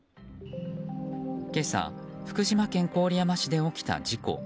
今朝福島県郡山市で起きた事故。